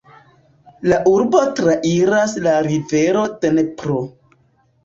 La urbon trairas la rivero Dnepro.